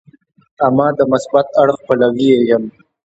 اما د مثبت اړخ پلوی یې یم.